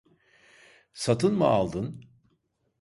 Satın mı aldın?